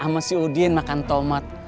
bu andien udah pulang di nes